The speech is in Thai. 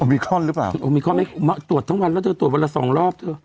โอมิคอนหรือเปล่าโอมิคอนตรวจทั้งวันแล้วตรวจวันละสองรอบ